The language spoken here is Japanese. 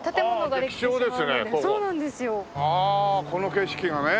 この景色がね。